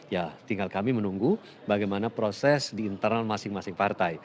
ya tinggal kami menunggu bagaimana proses di internal masing masing partai